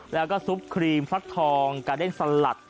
แล้วก็ซุปครีมฟักทองการเล่นสลัด